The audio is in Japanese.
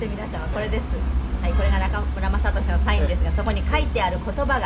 これが中村雅俊さんのサインですがそこに書いてある言葉が」